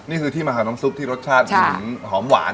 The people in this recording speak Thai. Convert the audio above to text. นี่คือที่มาหาน้ำซุปที่รสชาติหอมหวาน